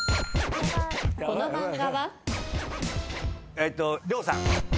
えっと両さん。